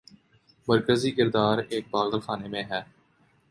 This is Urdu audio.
مرکزی کردار ایک پاگل خانے میں ہے۔